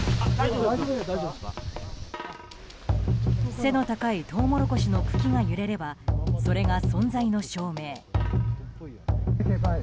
背の高いトウモロコシの茎が揺れればそれが存在の証明。